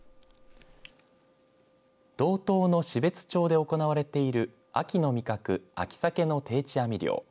道東の標津町で行われている秋の味覚、秋サケの定置網漁。